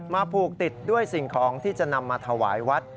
ผูกติดด้วยสิ่งของที่จะนำมาถวายวัด